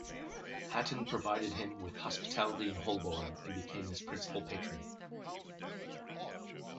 Hatton provided him with hospitality in Holborn and became his principal patron.